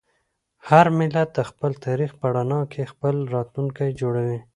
هر ملت د خپل تاریخ په رڼا کې خپل راتلونکی جوړوي.